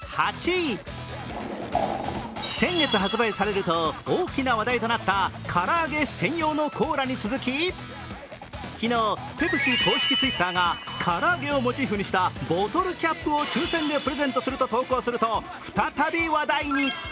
先月発売されると大きな話題となったからあげ専用のコーラに続き、昨日、ペプシ公式Ｔｗｉｔｔｅｒがから揚げをモチーフにしたボトルキャップを抽選でプレゼントすると投稿すると再び話題に。